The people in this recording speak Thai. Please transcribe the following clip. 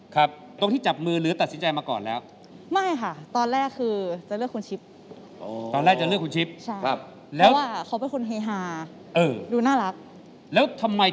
วันนี้สนุกมากขอขอบคุณนะครับคุณชิปขอบคุณมากนะครับ